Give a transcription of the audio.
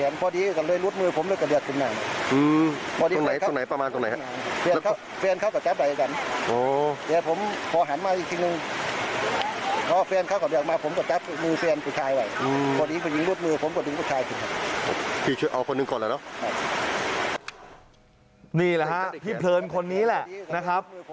นี่แหละฮะพี่เพลินคนนี้แหละนะครับ